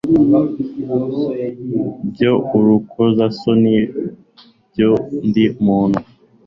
by urukozasoni by undi muntu